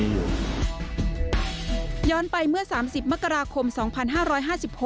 ย้อนไปเมื่อสามสิบมรคมสองพันห้าร้อยห้าสิบหก